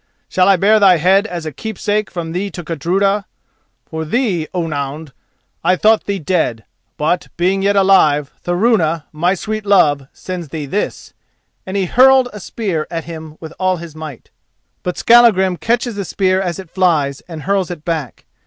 Shall I bear thy head as keepsake from thee to Gudruda? For thee, Ounound, I thought thee dead; but, being yet alive, Thorunna, my sweet love, sends thee this," and he hurled a spear at him with all his might. But Skallagrim catches the spear as it flies and hurls it back.